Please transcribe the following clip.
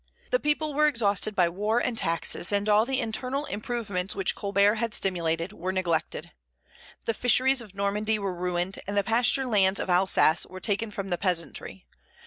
The people were exhausted by war and taxes, and all the internal improvements which Colbert had stimulated were neglected. "The fisheries of Normandy were ruined, and the pasture lands of Alsace were taken from the peasantry.